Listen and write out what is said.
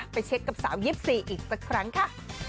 ไปเช็คกับสาว๒๔อีกสักครั้งค่ะ